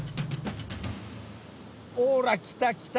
ほら来た来た！